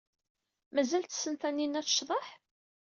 Mazal tessen Taninna ad tecḍeḥ?